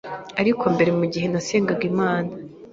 Ariko mbere mu gihe nasengaga Imana